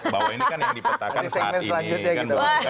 bahwa ini kan yang dipetakan saat ini